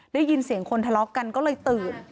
ได้ยินเสียงคนทะเลาะกันก็เลยตื่น